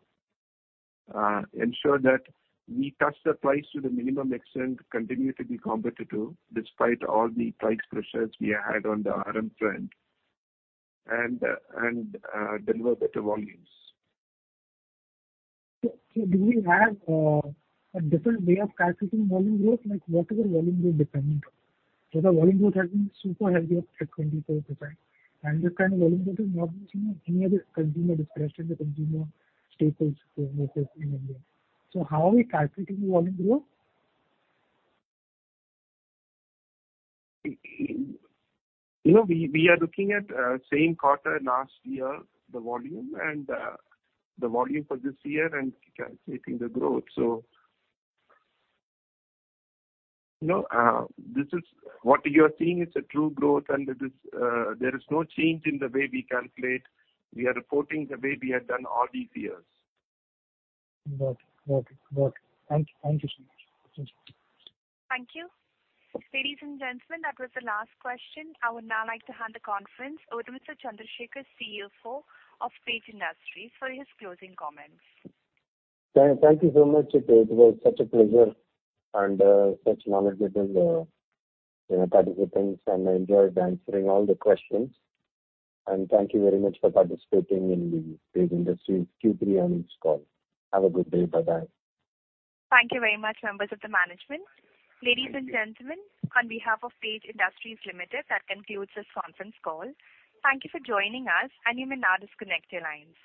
ensure that we touch the price to the minimum extent, continue to be competitive despite all the price pressures we had on the RM front and deliver better volumes. Do we have a different way of calculating volume growth? Like what is the volume growth dependent on? The volume growth has been super healthy at 24%, and this kind of volume growth is not seen in any other consumer discretionary consumer staples group in India. How are we calculating the volume growth? You know, we are looking at same quarter last year, the volume and the volume for this year and calculating the growth. You know, this is what you're seeing, is a true growth and it is. There is no change in the way we calculate. We are reporting the way we have done all these years. Got it. Thank you so much. Thank you. Ladies and gentlemen, that was the last question. I would now like to hand the conference over to Mr. K. Chandrasekar, CFO of Page Industries, for his closing comments. Thank you so much. It was such a pleasure and such knowledgeable participants, and I enjoyed answering all the questions. Thank you very much for participating in the Page Industries Q3 earnings call. Have a good day. Bye-bye. Thank you very much, members of the management. Ladies and gentlemen, on behalf of Page Industries Limited, that concludes this conference call. Thank you for joining us, and you may now disconnect your lines.